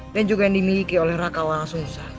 dan juga yang dimiliki oleh raka wangasungsan